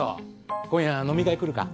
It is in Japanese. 今夜飲み会来るか？